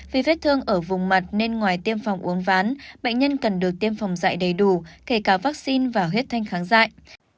vì vết thương ở vùng mặt nên ngoài tiêm phòng uốn ván bệnh nhân cần được tiêm phòng dạy đầy đủ kể cả vaccine và huyết thanh kháng dại